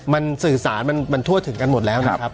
มันสื่อสารมันทั่วถึงกันหมดแล้วนะครับ